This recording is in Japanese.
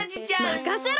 まかせろ！